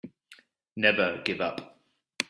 Never give up.